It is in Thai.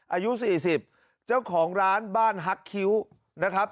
อายุ๔๐เจ้าของร้านบ้านฮักคิ้วนะครับ